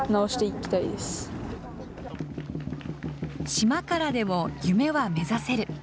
島からでも夢は目指せる。